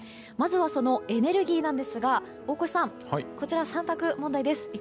まずはそのエネルギーなんですが大越さん３択問題です。